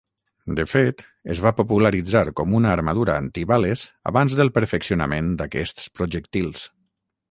De fet, es va popularitzar com una armadura antibales abans del perfeccionament d'aquests projectils.